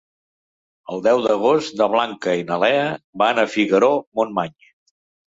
El deu d'agost na Blanca i na Lea van a Figaró-Montmany.